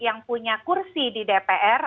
yang punya kursi di dpr